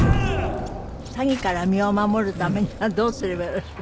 詐欺から身を守るためにはどうすればよろしい？